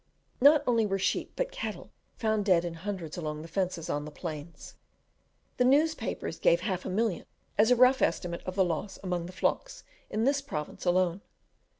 Not only were sheep, but cattle, found dead in hundreds along the fences on the plains. The newspapers give half a million as a rough estimate of the loss among the flocks in this province alone.